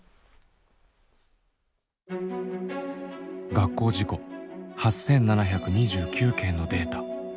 学校事故８，７２９件のデータ。